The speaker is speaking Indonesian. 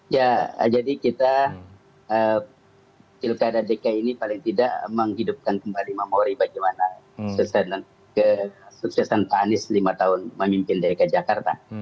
ya jadi kita pilkada dki ini paling tidak menghidupkan kembali memori bagaimana kesuksesan pak anies lima tahun memimpin dki jakarta